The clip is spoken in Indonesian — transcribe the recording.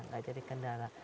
nggak jadi kendala